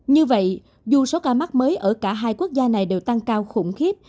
như vậy dù số ca mắc mới ở cả hai quốc gia này đều tăng cao khủng khiếp